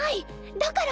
だから。